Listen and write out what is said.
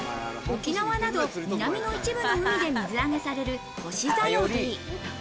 沖縄など南の一部の海で水揚げされるホシザヨリ。